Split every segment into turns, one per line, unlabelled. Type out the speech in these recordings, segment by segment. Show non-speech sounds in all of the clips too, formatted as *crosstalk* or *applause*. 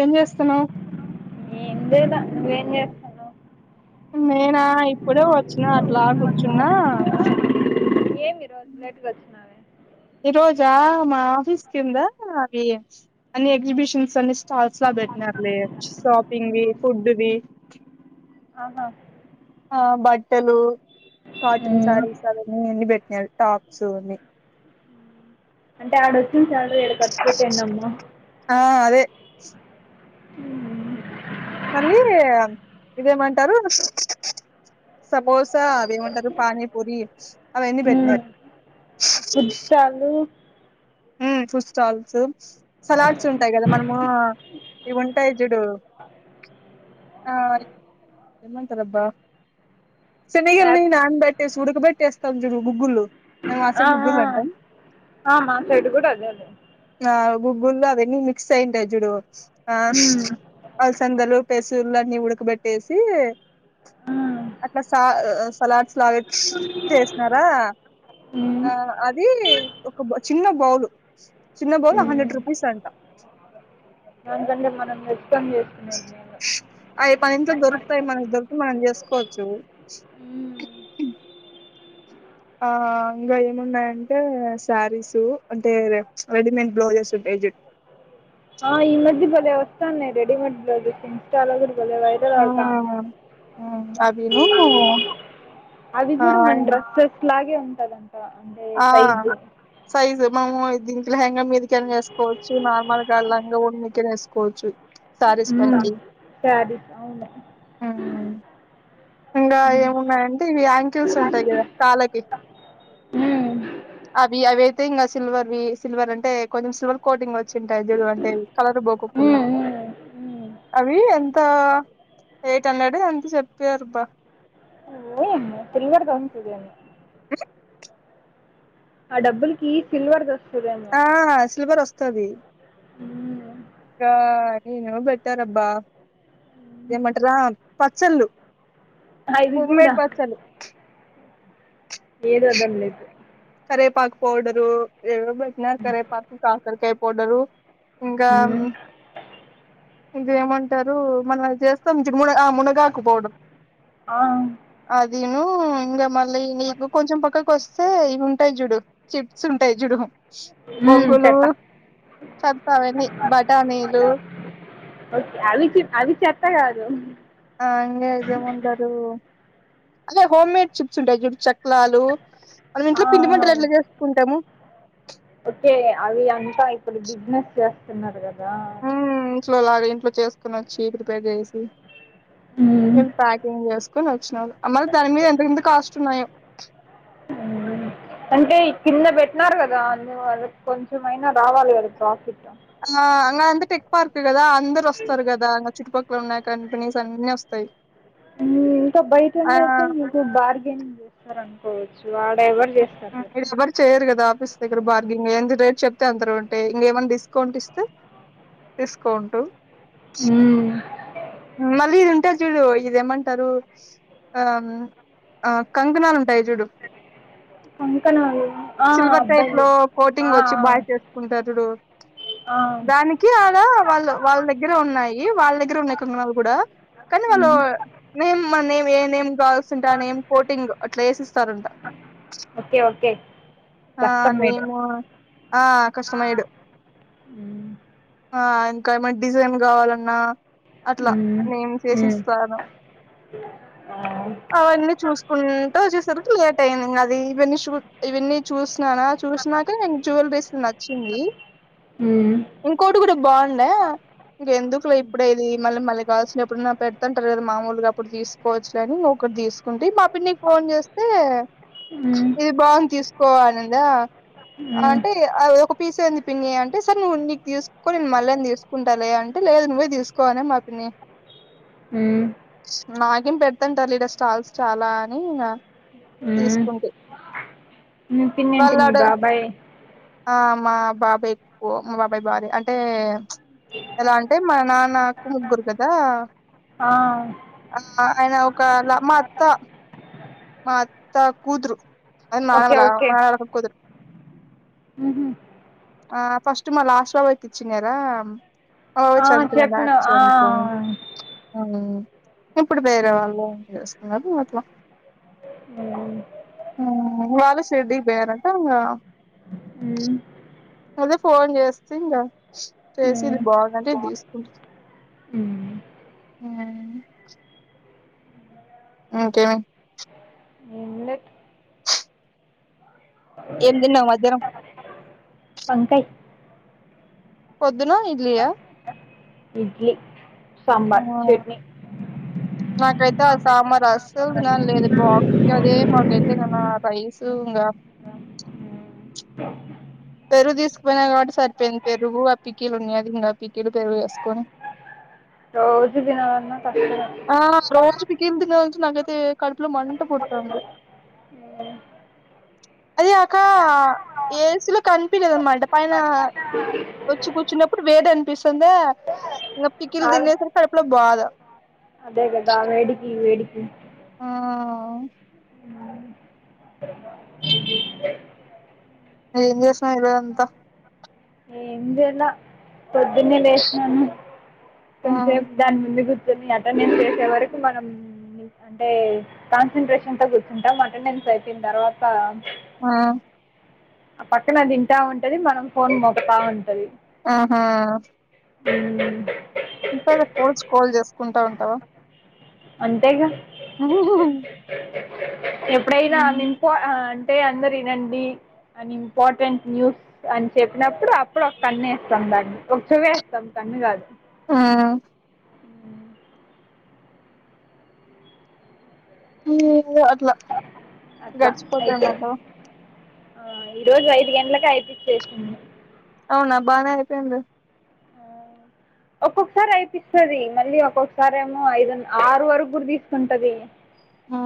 ఏం చేస్తున్నావు?
ఏం చేయాలా నువ్వేం చేస్
నేనా ఇప్పుడే వచ్చిన అట్లా కూర్చున్నా
లేటుగా అచ్చినావే
ఈరోజు మా ఆఫీస్ కింద అవి అన్ని ఎగ్జిబిషన్ స్టాల్స్‌లా పెట్టారు లే షాపింగ్‌వి, ఫుడ్‌వి
ఆహా
ఆ బట్టలు కాటన్
ఉమ్.
శారీస్ అవన్నీ ఎన్ని పెట్టినారూ టాప్స్ అవని
అంటే ఆడ వచ్చిన శాలరీ ఇడ ఖర్చు పెట్టండి అమ్మా
ఆ అదే మళ్ళీ ఇదేమంటారు సమోసా అవి ఏమంటారు పనీ పూరి
ఊ ఫుడ్ స్టాళ్ళు
ఊ ఫుడ్ స్టాల్స్ సలాడ్స్ ఉంటాయి కదా మనము ఇవి ఉంటాయి చుడు ఆ ఏమంటారబ్బా సినిగిల్ని
యాపిల్
నాన్ బెట్టి ఉడకబట్టేస్తాం జరు బ గుగ్గులు మేము
ఆ
అసలు గుగ్గులు అంటాం
ఆ మా ఫ్రెండ్ కూడా అదే ఆన్నది
ఆ గుగ్గులు అవన్నీ మిక్స్ అయింటాయి చుడు ఆ
ఉమ్,
అలసందలు పెసిర్లన్నీ ఉడకబెట్టేసి
ఉమ్,
అట్లా సా సలాడ్స్ లాగా చేసినారా
ఉమ్,
ఆ అది ఒక చిన్న బౌలు చిన్న బౌల్ హండ్రెడ్
ఉమ్.
రూపీస్ అంట
దానికంటే మనం తెచ్చుకొని చేసుకుంటే
అవి మన ఇంట్లో దొరుకుతాయి మనకి దొరికిండేవి మనం చేసుకోవచ్చు
ఉ
ఆ ఇంకా ఏమున్నాయంటే శారీస్ అంటే రెడీమేడ్ బ్లౌజెస్ ఉంటాయి జట్
ఆ ఈ మధ్య బలే వస్తానయ్ రెడీమేడ్ బ్లౌజస్ చాలా డిజైన్స్ వెరైటీగా
ఆ
లాగా
అవిను
అది కూడా మన
ఆ
డ్రెస్సెస్ అలాగే ఉంటది
ఆ సైజు మనము దీనికి లహెంగా మీదికైన వేసుకోవచ్చు నార్మల్ లంగా వోని మీదకి అయినా. వేసుకోవచ్చు శారీస్ పైకి
శారీస్ అవును
ఆ ఇంకా ఏమున్నాయంటే ఇవి యాంకిల్స్ ఉంటాయి కదా కాళ్ళకి
ఉమ్,
అవి అవి అయితే ఇంకా సిల్వర్ వి సిల్వర్ అంటే కొంచెం సిల్వర్ కోటింగ్ ఉంటాయి చూడు అంటే కలరు బోకోకుండా
ఉమ్, ఉమ్, ఉమ్.
అవి అంతా ఎయిట్ హండ్రెడ్ ఎంత చెప్పరుబ్బా
ఏమో సిల్వర్ వస్తదేమో
అ
ఆ డబ్బుల కి సిల్వర్ వస్తదేమో
ఆ సిల్వర్ వస్తుది
ఉ
కా ఏమో పెట్టారబ్బా ఏమంటర్ ఆ పచ్చళ్ళు
అవి కూడా
హోమ్మేడ్ పచ్చళ్ళు
ఏది వద్దనలేదు
కరేపాకు పౌడరు ఏవో పెట్టినరు కరేపాకు కాకరకాయ పౌడరు ఇంకా
ఉమ్.
ఇంక ఏమంటారు మనం చేస్తాం చూడు మున ఆ మునగాకు పౌడర్
ఆ
అదీను ఇంకా మళ్ళీ నీకు కొంచెం పక్కకి వస్తే ఉంటాయి చూడు చిప్స్ ఉంటాయి చూడు
ఉమ్,
బొంగులు
చెత్త
చెత్త అవన్నీ బటానీలు
అవి చె అవి చెత్త కాదు
ఆ ఇంకేం *unintelligible* అదే హోమ్ మేడ్ చిప్స్ ఉంటాయి చూడు చెకలాలు మళ్లీ
ఆ,
ఇంట్లో పిండి వంటలు ఎట్లా చేసుకుంటాము
ఓకే అవి అంతా ఇప్పుడు బిజినెస్ చేస్తున్నారు కదా
ఉమ్ ఇంట్లో లాగా ఇంట్లో చేసుకుని వచ్చి ప్రిపేర్ చేసి
ఉమ్.
ప్యాకింగ్ చేసి కొని వచ్చినాను అమ్మ దాని మీద ఎంతెంత కాస్ట్ ఉన్నాయో
ఆ అంటే కింద పెట్టిన్నారు కదా అందు వాళ్ళకి కొంచెంమయినా రావాలి కదా ప్రాఫిట్
అ అంత టెక్ పార్క్ కదా అందరు వస్తారు కదా చుట్టుపక్క లో ఉన్న కంపెనీస్ అన్ని వస్తాయి
ఉమ్ ఇంకా
ఆ
బయటోల్లయితే నీకు బార్గెనింగ్ చేస్తా రు అనుకోవచ్చు ఆడ ఎవరు చేస్తారు చెప్పు
ఇది ఎవరు చేయరు కదా ఆఫీస్ దగ్గర బార్గెంగ్ ఎంత రేట్ చెప్తే అంత రేటే ఇకమన్నా డిస్కౌంట్ ఇస్తే డిస్కౌంటు
మ్మ్.
మళ్ళీ ఇది ఉంటాది చూడు ఇదేమంటారు ఆ ఆ కంకనాలు ఉంటాయి చూడు
కంకణాలు ఆ,
సిల్వర్ టైప్
అబ్బాయిలు
లో
ఆ,
కోటింగ్ వచ్చి బాయ్స్
ఆ,
వేసుకుంటారు చూడు
ఆ.
దానికి ఆడ వాళ్ళు వాళ్ళ దగ్గరే ఉన్నాయి వాళ్ళ దగ్గర ఉన్నాయి కొంకనాలు కూడా కానీ వాళ్ళు
మ్మ్.
నేమ్ మన ఏం నేమ్ కాల్స్తుంట ఏం కోటింగ్ అట్లా వేసి ఇస్తారంట
ఓకే ఓకే
ఆ
కష్టం మీరు
నేమ్ ఆ కస్టమైడ్
మ్మ్.
ఆ ఇంకా ఏమైనా డిజైన్ కావాలన్నా అట్లా నేను చేసిస్తాను
అ
అవన్నీ చూసుకుంటూ వచ్చేసరికి లేట్ అయింది ఇంగ అది ఇవన్నీ చూ ఇవన్నీ చూసినానా చూసినాక నేను జ్యులరీస్ నచ్చింది
మ్మ్.
ఇంకోటి కూడా బావుండే ఇంక ఎందుకులే ఇప్పుడే ఇది మల్ల మల్ల కాల్సిన ప్పుడైనా పెడుతుంటారు కదా మామూలుగా అప్పుడు తీస్ పోవచ్చులే అని ఒకటి తీసుకుంటే మా పిన్నికి ఫోన్ చేస్తే
మ్మ్.
ఇది బావుం తీసుకో అనిందా
మ్మ్.
అంటే ఒక పీస్యే ఉంది పిన్ని అంటే సరే నువ్ నీకు తీసుకో నేను మళ్ళన్ తీసుకో కుంటాలే అంటే లేదు నువ్వే తీసుకో అని మా పిన్ని
ఊ
నాకేం పెడుతుంటారులే ఇడ స్టాల్స్ చాలా అని
మ్మ్.
తీసుకుంది
మీ పిన్నంటే మీ బాబాయ్
ఆ మా బాబాయ్ ఎక్కువ మా బాబాయ్ భార్య అంటే ఎలా అంటే మా నాన్నకు ముగ్గురు కదా
ఆ
అల్ల ఆయన ఒకల మా అత్త మా అత్త కూతురు అది
ఓకే
మానవల
ఓకే
మానవళ కూతురు
ఉహు
ఆ ఫస్ట్ మళ్ళా లాస్ట్ లో పోయి కూర్చున్నారా *inaudible* ఆ
చెప్పిన ఆ
ఇప్పుడు వేరే
ఉమ్
వాళ్ళు చేస్తున్నారు అట్లా
ఆ
ఆ వాళ్ళు షిర్డీ కి పోయారంట
ఊ
అదే ఫోన్ చేస్తే ఇంగ చేసి ఇది బావుందంటే ఇది తీసుకుంటా
ఊ
ఆ ఇంకేమి
ఏం లే
ఏం తిన్నావ్ మధ్యానం
వంకయ్
పొద్దున్న ఇడ్లీ ఆ
ఇడ్లీ
ఆ
సాంబార్ చట్నీ
నాకైతే ఆ సాంబార్ అసలు తినాలని లేదు బా ఇంక అదే మాకైతే నిన్న రైస్ ఇంగ పెరుగు తీసుపోయినా కాబట్టి సరిపోయింది పెరుగు ఆ పికిల్ ఉన్నాయ్ అది ఇంకా పికిలు పెరుగు ఏసుకొని
రోజు తినమన్న తప్పదు
ఆ రోజు పికిలు తినచ్చు నాకైతే కడుపులో మంట పుడతంది అది అక్కా ఏసులో కనిపిలేదన్నమాట పైన వచ్చి కూర్చున్నప్పుడు వేడనిపిస్తుందా ఇంకా పికిలు
ఆ,
తినేసరికి కడుపులో బాధ
అదే కదా వేడికి వేడికి
ఆ
లె
ఏం చేసినావ్ ఈరోజంతా
ముందెలా పొద్దున్నే లేసినను
ఆ
కాసేపు దాని ముందు కుర్చొని అటెండెన్స్ వేసే వరకు మనం అంటే కాన్సంట్రేషన్ తో కూర్చుంటాం అటెండెన్స్ అయిపోన తర్వాత
ఆ
ఆ పక్కన అది వింటా ఉంటది మనం ఫోన్ మోగతా ఉంటది
ఆహా
ఉ
ఇంతలో కోల్స్ కాల్ చేసుకుంటా ఉంటావా
అంతేగా
ఉ హు
ఎప్పుడైనా అనినుకో అంటే అందరు వినండి అని ఇంపార్ర్టెంట్ న్యూ అని చెప్పినప్పుడు అప్పుడు ఒక కన్ను వేస్తాం దాన్ని ఒక చెవ్వువేస్తాం కన్ను కాదు
ఉమ్ ఏమో అట్లా గడిచిపోతంది అబ్బా
ఆ ఈ రోజు ఐదు గంటలకు అయిపిచ్చేసింది
అవునా బాగానే అయిపొయిందె
ఒక్కొక్కసారి అయిపిస్తాది మళ్ళీ ఒక్కొక్కసారి ఏమో ఐదున్ ఆరు వరకు గూడా తీసుకుంటది
ఆ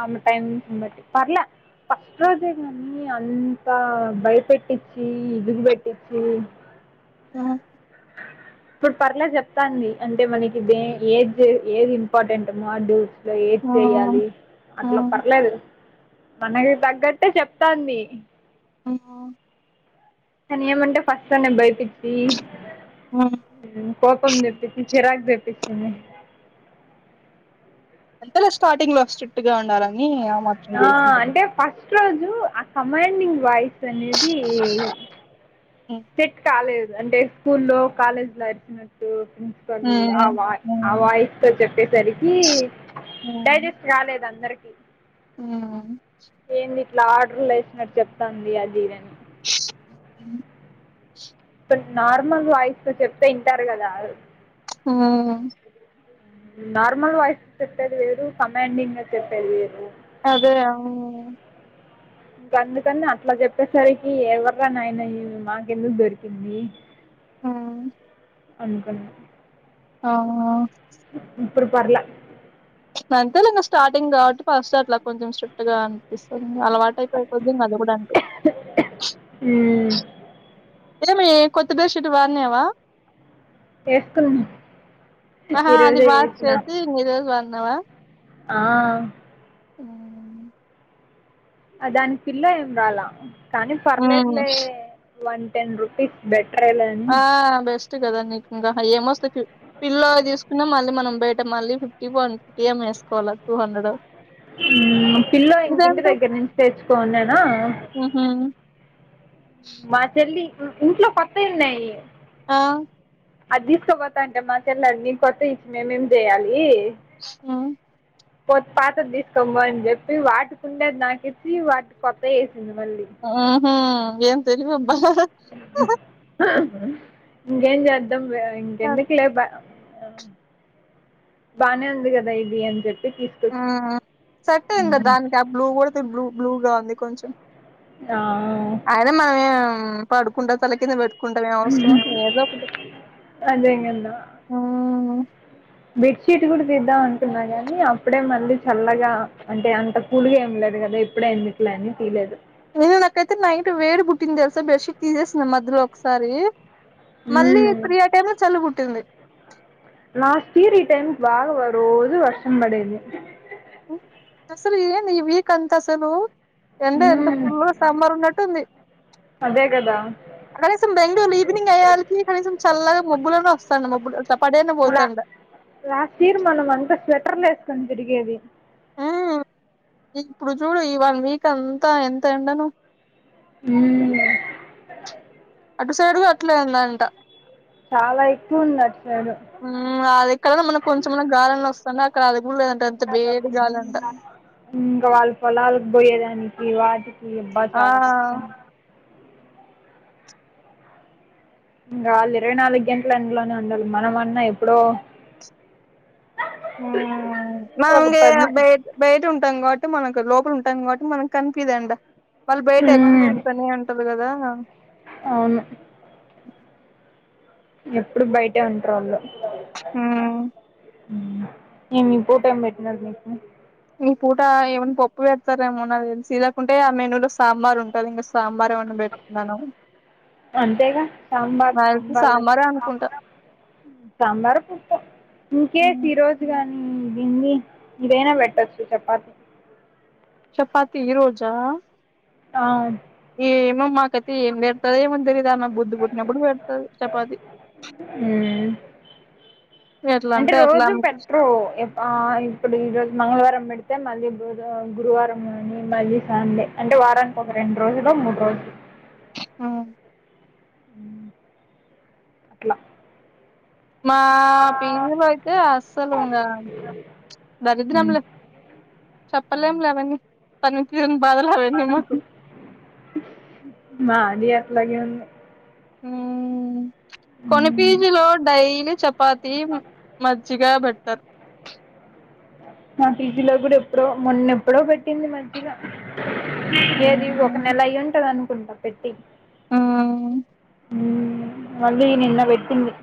అవును టైమిబట్టి పర్లలే ఫస్ట్ రోజే గాని అంత భయపెట్టిచి ఇదిగుపెట్టిచి
ఆ
ఇప్పుడు పర్లే చెప్తాంది అంటే మనకి ఏది ఇంపార్టెంటో మాడు ఇట్లా ఏది
ఆ
చెయ్యాలి
ఆ
అట్లా పర్లేదు మనకి తగ్గట్టే చెప్తాంది
ఉహ
కానీ ఏమంటే ఫస్ట నేను బై పి సి
ఆ
కోపం తెప్పించి చిరాక్ తెప్పిచింది
అంతెలే స్టార్టింగ్ లో స్ట్రిక్ట్ గా ఉండాలని ఆ మాత్రం చేసింది
ఫస్ట్ రోజు ఆ కమాండింగ్ వాయిస్ అనేది
ఆ
సెట్ కాలేదు అంటే స్కూల్ లో కాలేజ్ లో అరిచినట్టు ఆ
మ్మ్
వా ఆ
మ్మ్
వాయిస్ తో చెప్పేసరికి డైజస్ట్ రాలేదు అందరికీ
ఆ
ఏంది ఇట్లా ఆర్డర్లు ఎసినట్టు చెప్తాంది అది ఇది
అ
ఇప్పుడునార్మల్ వాయిస్ తో చెప్తే వింటారు కదా
ఆ
నార్మల్ వాయిస్ తో చెప్పేది వేరు కమాండింగ్ గా చెప్పేది వేరు
అదే అవును
ఇంక అందుకని అట్లా చెప్పేసరికి ఎవర్రా నాయన ఇది మాకెందుకు దొరికింది
ఆ
అందుకని
అవునా
ఇప్పుడు పర్లే
అంతేలే ఇంగా స్టార్టింగ్ కాబట్టి ఫస్ట్ అట్లా కొంచెం స్ట్రిక్ట్ గా అనిపిస్తుంది అలవాటు అయిపోయే కొద్ది అది కూడా అంతే
మ్మ్
ఏమి కొత్త బెడ్ షీట్ వాడినావా
ఏసుకున్నాం
ఆహా అది వాష్ చేసి ఈ రోజు వాడినావా
ఆ
హ్మ్
దానికి పిల్లో ఏమి రాలా కానీ
హ్మ్
పర్లేదులే వన్ టెన్ రూపీస్ బెటర్ ఏలే
ఆ బెస్ట్ కదా నీకు ఇంకా ఏమొస్తాయి పిల్లో తీసుకున్నా మళ్ళీ మనం బయట్ అంటే మళ్ళీ ఫిఫ్టీ వన్ ఫిఫ్టీ ఏమో వేసుకోవాళ్లా టూ హండ్రెడ్
హ్మ్ పిల్లో ఇంకా ఇంటి
ఇదెంత
దగ్గర నుంచి తెచ్చుకోనున్నానా
హ్మ్
మా చెల్లి మ్ ఇంట్లో కొత్తవి ఉన్నాయి
ఆ
అది తీసుకోపోతా అంటే మా చెల్లల్ని కొత్తవి ఇచ్చి మేమేమి చేయాలి
హ్మ్
కొత్త పాతది తీసుకోనిపో చెప్పి వాటుకుండే నాకేచ్చి వాటి కొత్త వేసింది మళ్ళీ
హ్మ్ హు ఏం తెలీవబ్బా హ హ
ఇంకేం చేద్దాం లే ఇంకేందుకులేబ్బా బానే ఉంది కదా ఇది అని చెప్పి తీసుకొచ్చా
మ్ సెట్ అయిందా దానికి ఆ బ్లూ కూడా బ్లూ బ్లూగా ఉంది కొంచెం
ఆ
అయినా మనం ఏం పడుకుంటే తల కింద పెట్టుకుంటా కుంటామా అవసరమా ఏదో ఒకటి
అదే
హ్మ్
బెడ్ షీట్ కూడా తీద్దాం అనుకున్నా గానీ అప్పుడే మళ్ళీ చల్లగా అంటే అంత కూల్ గా ఏం ఉండదు కదా ఇప్పుడే ఎందుకులే అని తీలేదు
నేను నాకైతే నైట్ వేడి పుట్టింది తెలుసా బెడ్ షీట్ తీసేసిన మధ్యలో ఒకసారి మళ్ళీ
మ్మ్.
త్రీ ఆ టైమ్ లో చలి పుట్టింది
లాస్ట్ ఇయర్ ఈ టైం కి బాగా రోజు వర్షం పడేది
అసలు ఏమి ఈ వీక్ అంత అసలు ఎండ ఎంత
మ్మ్.
ఫుల్ గా సమ్మర్ ఉన్నట్టుంది
అదే కదా
కనీసం బెంగళూరులో ఈవినింగ్ అయ్యాలికీ కనీసం చల్లగా మబ్బులన్నా వస్తాండా మబ్బులు ఇట్ల పడన్నా
లా
పోతండే
లాస్ట్ ఇయర్ మనం అంతా స్వెటర్లు వేసుకొని తిరిగేది
హ్మ్ ఇప్పుడు చూడు ఈ వన్ వీక్ అంతా ఎంత ఎండనో
హ్మ్
అటు సైడ్ కూడా అట్లే ఉందంట
చాలా ఎక్కువ ఉంది అటు సైడు
హ్మ్ అదిక్కడన్నా మనం కొంచమన్నా గాలన్న వస్తాంది అక్కడ అది కూడా లేదంటా
ఇంకా వాళ్ళ పొలాల పోయేదానికి వాటి ఈ అబ్బా
ఆ
చాలా కష్టం ఇంగా వాళ్ళు ఇరవై నాలుగు గంటలు ఎండలోనే ఉండాల్నా మనమన్నా ఎప్పుడో
ఉ
ఒక
ఏ
పది
అబ్బాయే బయట ఉంటాం కాబట్టి మనకు లోపల ఉంటాం కాబట్టి మనకు కన్ఫ్యూజ్ అయింది వాళ్ళు బయట ఎక్కువ
మ్మ్
తిరుగుతానే ఉంటారు కదా
అవును ఎప్పుడు బయటే ఉంట్రాళ్ళు
మ్మ్
నేను మీ పూటను పెట్టినట్టే
ఈ పూట ఏమైన్నా పప్పు పెడతారేమోనండి చీదకుంటే ఆ మెనూ లో సాంబార్ ఉంటది ఇంకా సాంబార్ ఏమ
అంతేగా సాంబార్
నాకు తెలిసి
సాంబార్
సాంబారే అనుకుంటా
సాంబార్ పప్పు ఇంకేస్
మ్మ్
ఈరోజు కాని దీన్ని ఇదైనా పెట్టచ్చు చపాతి
చపాతి ఈ రోజా
అ
ఏమో మా కైతే ఏం పెడతదో ఏమో తెలియదు ఆమెకి బుద్ధి పుట్టినప్పుడు పెడతది చపాతి
మ్మ్
ఎట్లా
అంటే
అట్లా
రోజు
ఆమెకి
పెట్రో ఆ ఇప్పుడు ఈ రోజు మంగళవారం పెడితే మళ్ళీ బుధ గురువారం కాని మళ్ళీ సాండే అంటే వారానికి ఒక రెండు రోజులు మూడు రోజులు
అ
ఇట్లా
మా పీజులో అయితే అస్సలు ఇంకా దరిద్రములే చెప్పలేం లేఅవన్ని పనితీరని బాధలుఅవండి మాకు
మాది అట్లాగే ఉంది
ఉమ్ కొన్ని పీజులో డైల్ చపాతి మజ్జిగ బట్టి
మా టీజీలో కూడా ఎప్పుడో మొన్న ఎప్పుడో పెట్టింది మ ఏది ఒక
హ్మ్
నెల అయ్యింటుంది అనుకుంటా పెట్టి
ఆ
మళ్ళి నిన్న పెట్టింది